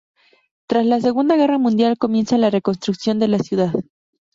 Tras la Segunda Guerra Mundial comienza la reconstrucción de la ciudad.